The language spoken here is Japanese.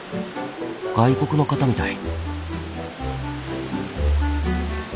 外国の方みたい。